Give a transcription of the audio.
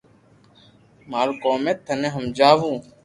مارو ڪوم ھي ٿني ھمجاو